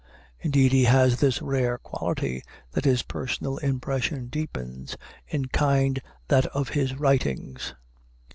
Indeed, he has this rare quality, that his personal impression deepens, in kind, that of his writings.